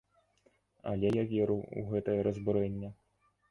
Але я веру ў гэтае разбурэнне!